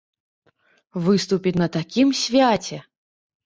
Выступіць на такім свяце!